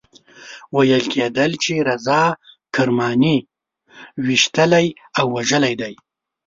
ویل کېدل چې رضا کرماني ویشتلی او وژلی دی.